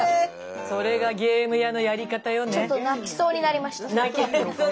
それがゲーム屋のやり方よね。